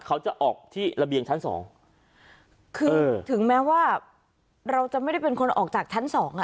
เขาจะออกที่ระเบียงชั้นสองคือถึงแม้ว่าเราจะไม่ได้เป็นคนออกจากชั้นสองอ่ะ